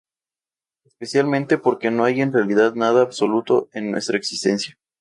Especialmente, porque no hay en realidad nada absoluto en nuestra existencia.